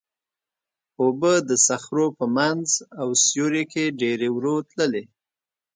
اوبه د صخرو په منځ او سیوري کې ډېرې ورو تللې.